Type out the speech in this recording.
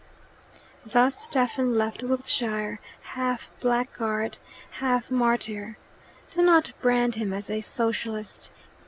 Thus Stephen left Wiltshire, half blackguard, half martyr. Do not brand him as a socialist.